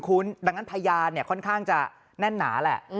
คุณดังนั้นพยานค่อนข้างจะแน่นหนาแหละ